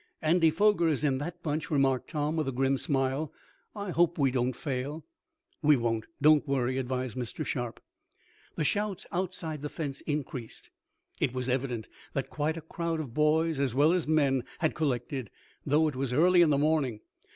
"Andy Foger is in that bunch," remarked Tom with a grim smile. "I hope we don't fail." "We won't. Don't worry," advised Mr. Sharp. The shouts outside the fence increased. It was evident that quite a crowd of boys, as well as men, had collected, though it was early in the morning.